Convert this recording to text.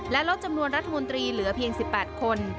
และลดจำนวนรัฐมนตรีเหลือเพียง๑๘คน